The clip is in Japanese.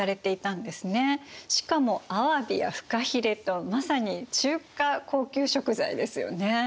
しかもアワビやフカヒレとまさに中華高級食材ですよね。